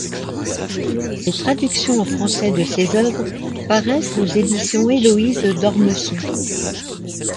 Les traductions en français de ses œuvres paraissent aux éditions Héloïse d'Ormesson.